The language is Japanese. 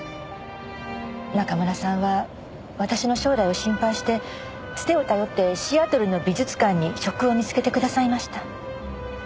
中村さんは私の将来を心配してつてを頼ってシアトルの美術館に職を見つけてくださいました。